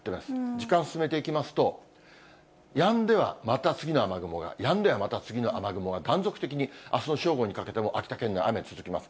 時間進めていきますと、やんではまた次の雨雲が、やんではまた次の雨雲が、断続的にあすの正午にかけても、秋田県内、雨が続きます。